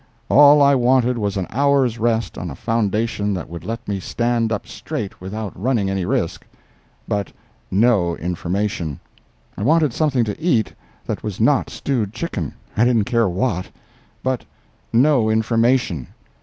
All I wanted was an hour's rest on a foundation that would let me stand up straight without running any risk—but no information; I wanted something to eat that was not stewed chicken—I didn't care what—but no information.